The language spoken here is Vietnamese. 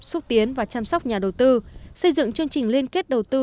xúc tiến và chăm sóc nhà đầu tư xây dựng chương trình liên kết đầu tư